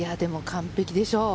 完璧でしょう。